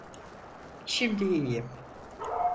Şimdi iyiyim.